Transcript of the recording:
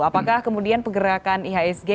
apakah kemudian pergerakan ihsg